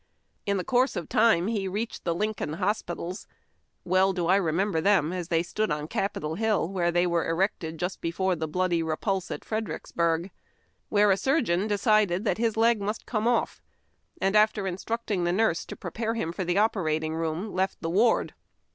In the course of time he reached the Lincoln Hospitals (w^ell do I remember them as they stood on Capitol Hill where they were erected just before the bloody repulse at Fredericksburg), where a sur geon decided that his leg must come off, and, after instruct ing the nurse to prepare liim for the operating room, left the ward.